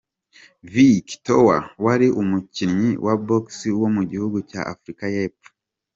Vic Toweel, wari umukinnyi wa Box wo mu gihugu cya Afurika y’Epfo.